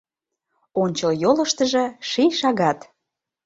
Ончыл йолыштыжо ший шагат.